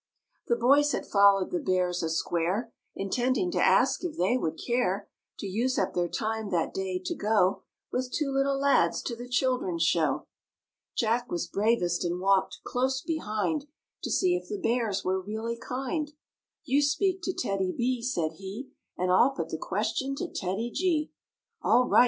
The boys had followed the Bears a square. Intending to ask if they would care To use up their time that day to go With two little lads to the children's show. Jack was bravest and walked close behind To see if the Bears were really kind. "You speak to TEDDY B," said he, "And I'll put the question to TEDDY G." "All right!"